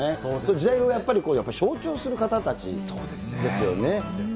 時代をやっぱり象徴する方たちですよね。